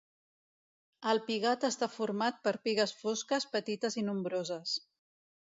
El pigat està format per pigues fosques petites i nombroses.